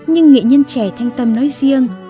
nhưng nghệ nhân trẻ thanh tâm nói riêng